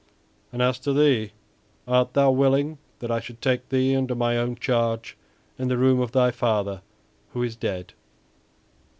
And as to thee art thou willing that I should take thee under my own charge in the room of thy father, who is dead?"